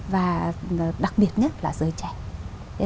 và đặc biệt nhất là giới trẻ